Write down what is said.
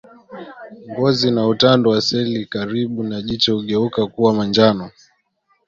Ngozi na utando wa seli karibu na jicho hugeuka kuwa manjano